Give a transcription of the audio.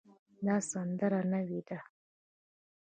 دا سندره نوې ده